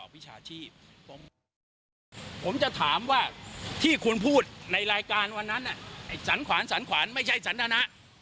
ผมจะถามว่าที่คุณพูดในรายการวันนั้นไอสนขวานไม่ใช่สนธนะ